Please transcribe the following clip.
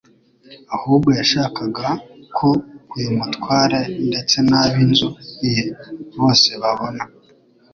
ahubwo yashakaga ko uyu mutware ndetse n’ab’inzu ye bose babona